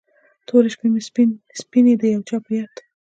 تورې شپې مې سپینې د یو چا په یاد